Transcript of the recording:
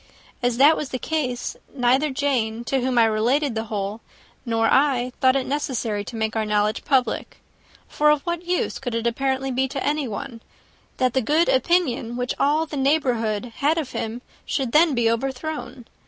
As that was the case, neither Jane, to whom I related the whole, nor I, thought it necessary to make our knowledge public; for of what use could it apparently be to anyone, that the good opinion, which all the neighbourhood had of him, should then be overthrown?